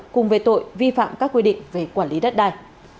cùng về tội vi phạm các quy định về quản lý đất đai